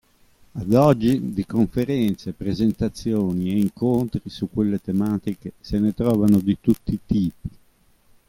Ad oggi di conferenze, presentazioni e incontri su quelle tematiche se ne trovano di tutti i tipi.